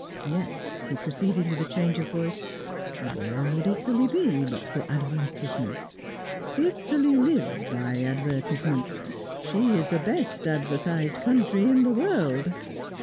Yet," he proceeded, with a change of voice, "where would Italy be, but for advertisements? Italy lives by advertisements. She is the best advertised country in the world!